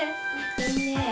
いいねえ。